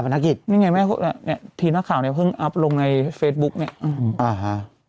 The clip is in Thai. นี่ไงทีมหน้าข่าวเนี่ยเพิ่งอัพลงในเฟซบุ๊กเนี้ย